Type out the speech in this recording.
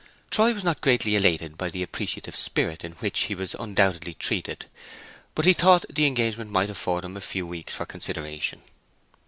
Troy was not greatly elated by the appreciative spirit in which he was undoubtedly treated, but he thought the engagement might afford him a few weeks for consideration.